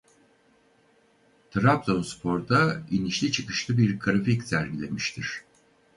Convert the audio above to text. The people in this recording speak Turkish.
Trabzonspor'da inişli-çıkışlı bir grafik sergilemiştir.